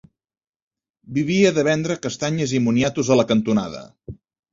Vivia de vendre castanyes i moniatos a la cantonada.